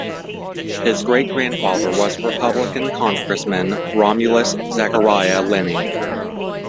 His great-grandfather was Republican congressman Romulus Zachariah Linney.